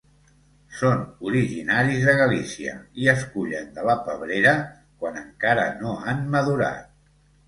Són originaris de Galícia i es cullen de la pebrera quan encara no han madurat.